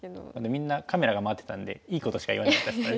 みんなカメラが回ってたんでいいことしか言わなかったですね。